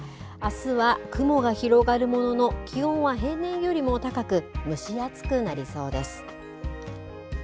あすは雲が広がるものの気温は平年よりも高く蒸し暑くなりそうです。